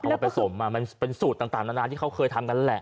แบบคนผสมอ่ะเป็นสูตรต่างที่เขาเคยทำงั้นแหละ